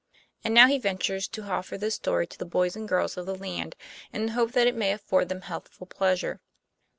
And now he ventures to offer this story to the boys and girls of the land, in the hope that it may afford them healthful pleasure.